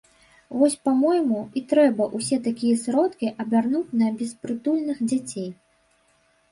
Вось, па-мойму, і трэба ўсе такія сродкі абярнуць на беспрытульных дзяцей.